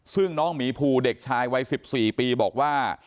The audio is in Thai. ซึ่งน้องหมีภูเด็กชายวัย๑๔ปีบอกว่า